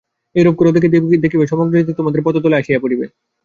এইরূপ কর দেখি! দেখিবে, সমগ্রজাতি তোমাদের পদতলে আসিয়া পড়িবে।